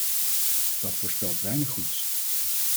Dat voorspelt weinig goeds.